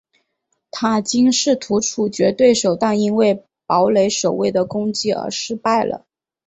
塔金试图处决对手但因为堡垒守卫的攻击而失败了。